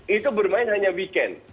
itu bermain hanya weekend